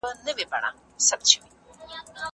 شاه شجاع خپله خپلواکي خرڅه کړه.